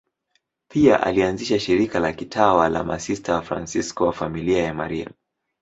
Pia alianzisha shirika la kitawa la Masista Wafransisko wa Familia ya Maria.